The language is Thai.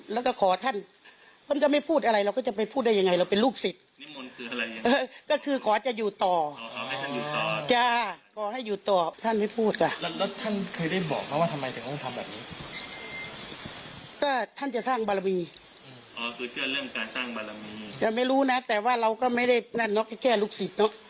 เราก็รู้นะแต่ว่าเราก็ไม่ได้แค่ลูกศิษย์หรอก